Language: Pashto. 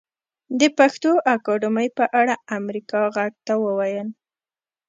د پښتو اکاډمۍ په اړه امريکا غږ ته وويل